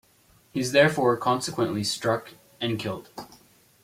He is therefore consequently struck and killed.